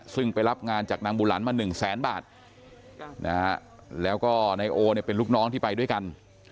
ซึ่งไปรับงานจากนางบูหลันมาหนึ่งแสนบาทแล้วก็นายโอเป็นลูกน้องที่ไปด้วยกัน